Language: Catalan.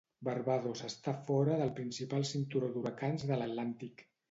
Barbados està fora del principal cinturó d'huracans de l'Atlàntic.